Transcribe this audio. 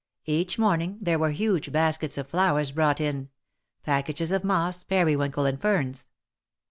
Each morning there were huge baskets of flowers brought in ; packages of moss, periwinkle and ferns.